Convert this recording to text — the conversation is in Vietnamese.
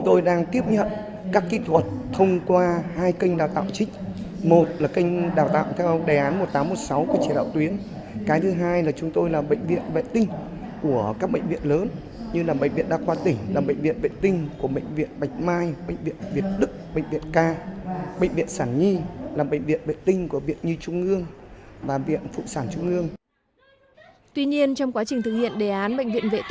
tuy nhiên trong quá trình thực hiện đề án bệnh viện vệ tinh